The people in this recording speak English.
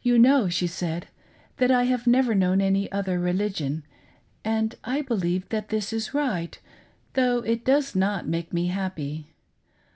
"You know," she said, "that I have never known' any other religion, and I believe that this is right though it does not make me happy.